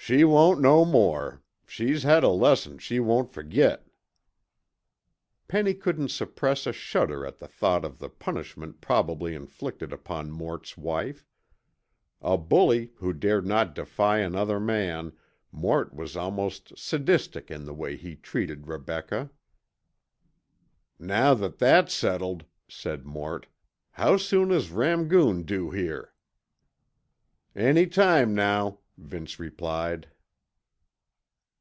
"She won't no more. She's had a lesson she won't fergit." Penny couldn't suppress a shudder at the thought of the punishment probably inflicted upon Mort's wife. A bully who dared not defy another man, Mort was almost sadistic in the way he treated Rebecca. "Now that that's settled," said Mort, "how soon is Rangoon due here?" "Any time now," Vince replied.